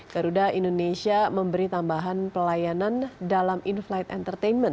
garuda indonesia memberi tambahan pelayanan dalam in flight entertainment